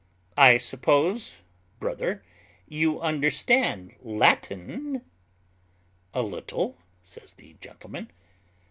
I suppose, brother, you understand Latin?" "A little," says the gentleman.